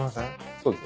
そうですね。